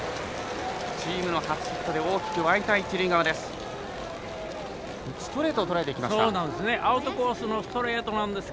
チームの初ヒットで大きく湧いた一塁側です。